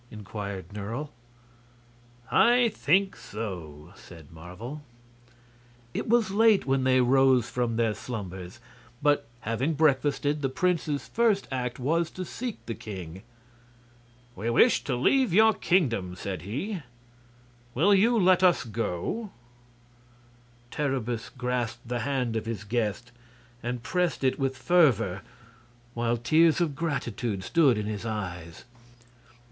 inquired Nerle. "I think so," said Marvel. It was late when they rose from their slumbers; but, having breakfasted, the prince's first act was to seek the king. "We wish to leave your kingdom," said he. "Will you let us go?" Terribus grasped the hand of his guest and pressed it with fervor, while tears of gratitude stood in his eyes.